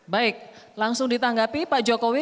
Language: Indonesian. baik langsung ditanggapi pak jokowi